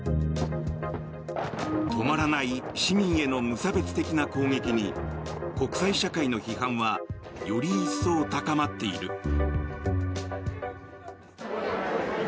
止まらない市民への無差別的な攻撃に国際社会の批判はより一層高まっている。